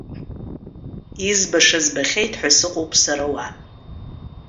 Избаша збахьеит ҳәа сыҟоуп сара уа.